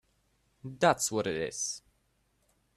That’s what it is!